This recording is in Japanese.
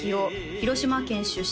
広島県出身